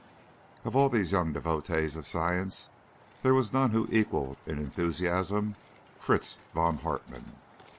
Of all these young devotees of science there was none who equalled in enthusiasm Fritz von Hartmann.